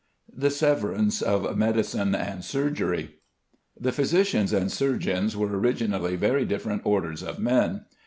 THE SEVERANCE OF MEDICINE AND SURGERY. The physicians and surgeons were originally very different orders of men.